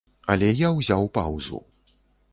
Але я ўзяў паўзу.